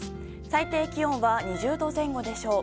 最低気温は２０度前後でしょう。